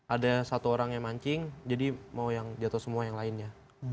ada satu orang yang mancing jadi mau yang jatuh semua yang lainnya